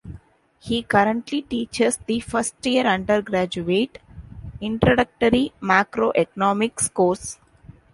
He currently teaches the first-year undergraduate Introductory Macroeconomics course.